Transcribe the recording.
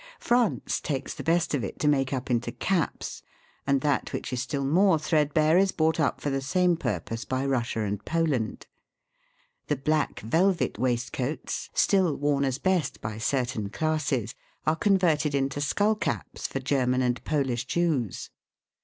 France takes the best of it to make up into caps, and that which is still more threadbare is bought up for the same purpose by Russia and Poland. The black velvet waistcoats, still worn as best by certain classes, are converted into skull caps for German and Polish Jews.